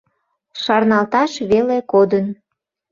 Шарналташ веле кодын.